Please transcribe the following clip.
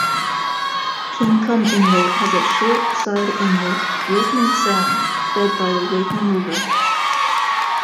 Kingcome Inlet has a short side inlet, Wakeman Sound, fed by the Wakeman River.